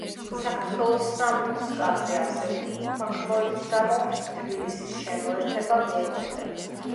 საქართველოს სამეფოს კარზე არსებული უთანხმოების გამო, თბილისის შემოერთება ვერ მოხერხდა.